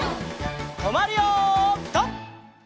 とまるよピタ！